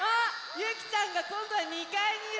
ゆきちゃんがこんどは２かいにいるよ！